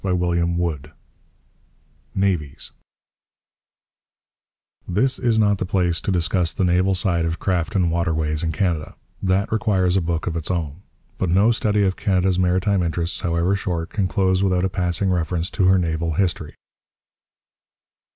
CHAPTER XI NAVIES This is not the place to discuss the naval side of craft and waterways in Canada. That requires a book of its own. But no study of Canada's maritime interests, however short, can close without a passing reference to her naval history.